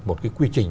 một cái quy trình